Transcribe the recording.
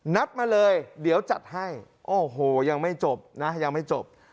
นัดมาเลยเดี๋ยวจัดให้โอ้โหยังไม่จบนะยังไม่จบ